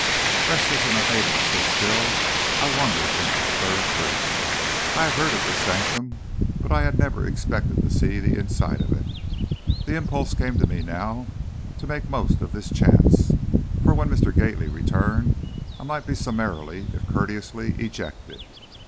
Restless and unable to sit still, I wandered into the third room. I had heard of this sanctum, but I had never expected to see inside of it. The impulse came to me now to make the most of this chance, for when Mr. Gately returned I might be summarily, if courteously, ejected.